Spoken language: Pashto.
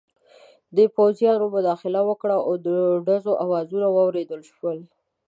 پوځیانو مداخله وکړه او د ډزو اوازونه واورېدل شول.